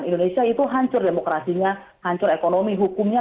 indonesia itu hancur demokrasinya hancur ekonomi hukumnya